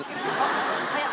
早っ！